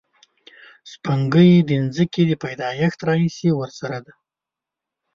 سپوږمۍ د ځمکې له پیدایښت راهیسې ورسره ده